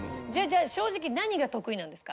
じゃあ正直何が得意なんですか？